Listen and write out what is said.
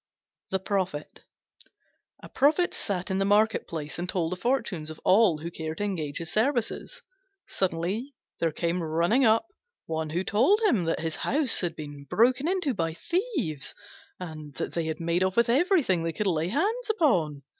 THE PROPHET A Prophet sat in the market place and told the fortunes of all who cared to engage his services. Suddenly there came running up one who told him that his house had been broken into by thieves, and that they had made off with everything they could lay hands on.